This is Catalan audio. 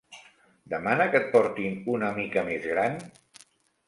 Demana que et portin una mica més gran?